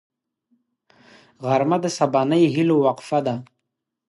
غرمه د سبانۍ هيلو وقفه ده